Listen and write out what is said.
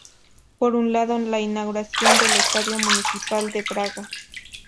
Por un lado, la inauguración del Estadio Municipal de Braga.